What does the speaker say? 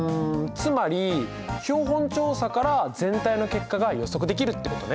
つまり標本調査から全体の結果が予測できるってことね。